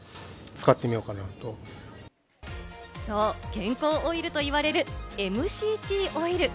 健康オイルと言われるＭＣＴオイル。